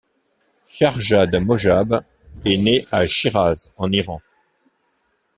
Shahrzad Mojab est née à Chiraz en Iran.